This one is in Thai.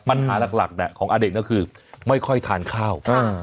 ปัญหาหลักของอเด็กก็คือไม่ค่อยทานข้าว